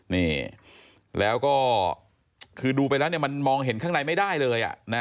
นี่แล้วก็คือดูไปแล้วเนี่ยมันมองเห็นข้างในไม่ได้เลย